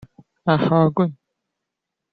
I have a gun.